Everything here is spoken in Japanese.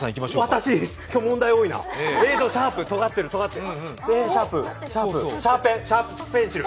私、今日問題多いな、とがってる、とがってるシャープペンシル？